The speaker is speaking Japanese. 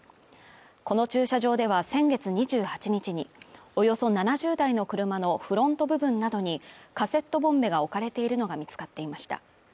この駐車場では先月２８日におよそ７０台の車のフロント部分などにカセットボンベが置かれているのが見つかっていました。